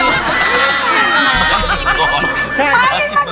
ปราฟินรังเกิ๊พจะเป็นเมีย